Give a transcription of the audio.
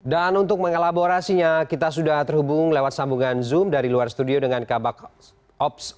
untuk mengelaborasinya kita sudah terhubung lewat sambungan zoom dari luar studio dengan kabak ops